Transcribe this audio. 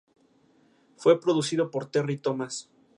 Es hermano del pintor Antonio Murado.